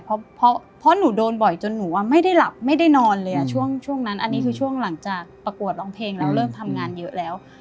เพราะหนูโดนบ่อยจนหนูว่าไม่ได้หลับไม่ได้นอนเลยช่วงนั้นอันนี้คือช่วงหลังจากประกวดร้องเพลงแล้วเริ่มทำงานเยอะแล้ว